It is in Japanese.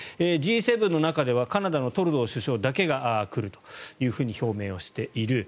Ｇ７の中ではカナダのトルドー首相だけが来るというふうに表明をしている。